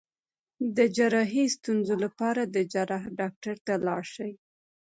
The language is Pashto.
د جراحي ستونزو لپاره د جراح ډاکټر ته لاړ شئ